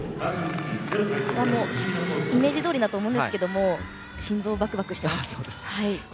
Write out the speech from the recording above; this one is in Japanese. イメージどおりだと思うんですけど心臓バクバクしています。